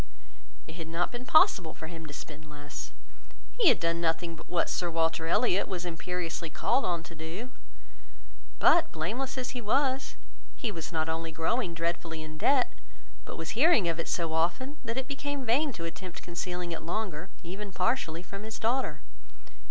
It had not been possible for him to spend less; he had done nothing but what Sir Walter Elliot was imperiously called on to do; but blameless as he was, he was not only growing dreadfully in debt, but was hearing of it so often, that it became vain to attempt concealing it longer, even partially, from his daughter.